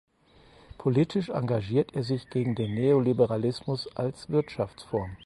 Politisch engagiert er sich gegen den Neoliberalismus als Wirtschaftsform.